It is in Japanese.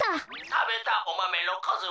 「たべたおマメのかずは？」。